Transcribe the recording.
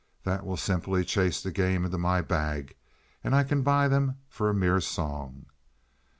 That will simply chase the game into my bag, and I can buy them for a mere song."